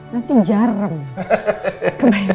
nanti jarang kebayangan dipijet